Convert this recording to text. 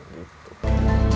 berada di depan mata